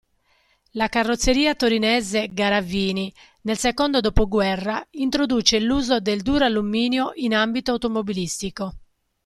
La carrozzeria torinese Garavini, nel secondo dopoguerra, introduce l'uso del duralluminio in ambito automobilistico.